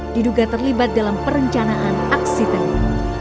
diduga terlibat dalam perencanaan aksi tengil